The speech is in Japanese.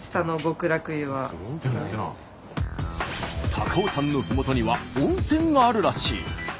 高尾山のふもとには温泉があるらしい。